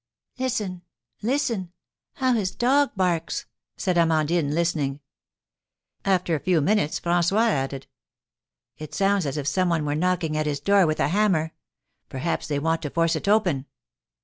"Listen, listen, how his dog barks!" said Amandine, listening. After a few minutes, François added: "It sounds as if some one were knocking at his door with a hammer. Perhaps they want to force it open!"